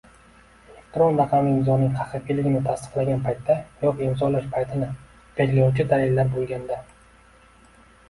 elektron raqamli imzoning haqiqiyligi tasdiqlangan paytda yoki imzolash paytini belgilovchi dalillar bo‘lganda